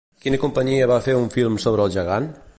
Quina companyia va fer un film sobre el gegant?